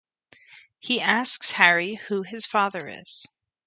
He asks Harry who his father is.